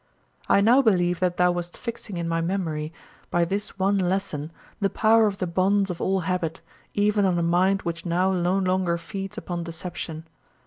I now believe that thou wast fixing in my memory, by this one lesson, the power of the bonds of all habit, even on a mind which now no longer feeds upon deception.